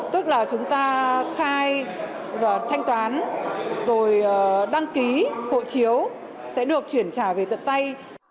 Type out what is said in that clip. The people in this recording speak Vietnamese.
tức là chúng ta khai và thanh toán rồi đăng ký hộ chiếu sẽ được chuyển trả về tận tay